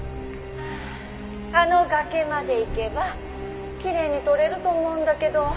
「あの崖まで行けばきれいに撮れると思うんだけど」